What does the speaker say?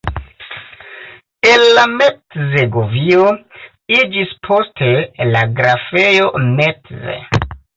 El la Metz-govio iĝis poste la grafejo Metz.